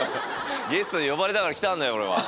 ゲストに呼ばれたから来たんだよ